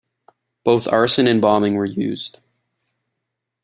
Both arson and bombing were used.